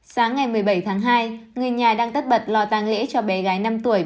sáng ngày một mươi bảy tháng hai người nhà đang tất bật lo tăng lễ cho bé gái năm tuổi